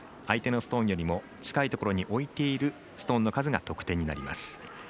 相手のストーンよりも近いところに置いているストーンの数が得点になります。